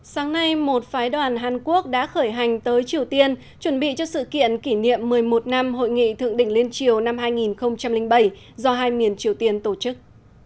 sáng nay một phái đoàn hàn quốc đã khởi hành tới triều tiên chuẩn bị cho sự kiện kỷ niệm một mươi một năm hội nghị thượng đỉnh liên triều năm hai nghìn bảy do hai miền triều tiên tổ chức